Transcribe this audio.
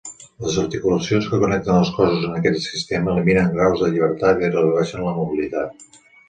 Les articulacions que connecten els cossos en aquest sistema eliminen graus de llibertat i redueixen la mobilitat.